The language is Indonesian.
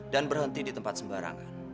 dan berhenti di tempat sembarangan